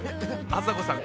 あさこさん